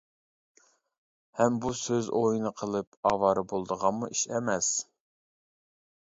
ھەم بۇ سۆز ئويۇنى قىلىپ ئاۋارە بولىدىغانمۇ ئىش ئەمەس.